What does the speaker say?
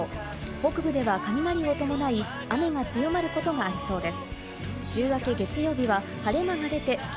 北部では雷を伴い雨が強まることがありそうです。